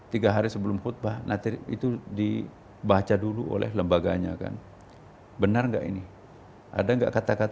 tiga hari sebelum khutbah nanti itu dibaca dulu oleh lembaganya kan benar enggak ini ada enggak kata kata